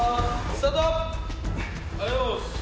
スタート